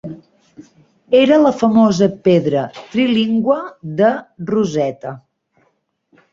Era la famosa pedra trilingüe de Rosetta.